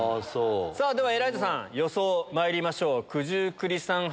ではエライザさん予想まいりましょう。